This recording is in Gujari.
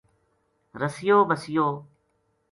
رسیو بسیو